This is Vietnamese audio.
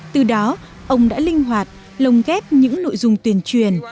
từ đó ông đã linh hoạt lồng ghép những nội dung tuyên truyền